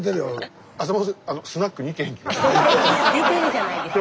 スタジオ出てるじゃないですか。